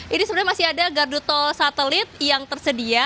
ini sebenarnya masih ada gardu tol satelit yang tersedia